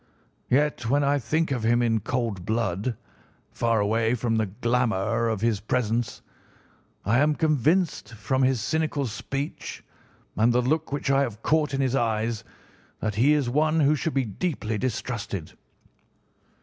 Yet when I think of him in cold blood, far away from the glamour of his presence, I am convinced from his cynical speech and the look which I have caught in his eyes that he is one who should be deeply distrusted.